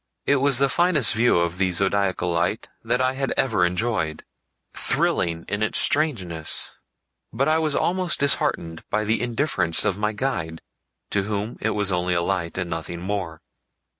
It was the finest view of the Zodiacal light that I had ever enjoyed—thrilling in its strangeness—but I was almost disheartened by the indifference of my guide, to whom it was only a light and nothing more.